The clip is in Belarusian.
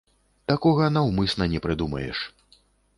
Такога наўмысна не прыдумаеш.